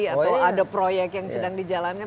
atau ada proyek yang sedang dijalankan